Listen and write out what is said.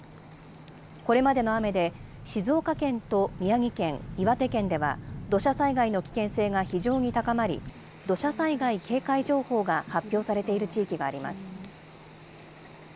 これまでの雨で、静岡県と宮城県、岩手県では、土砂災害の危険性が非常に高まり、土砂災害警戒情報が発表されている地域があります。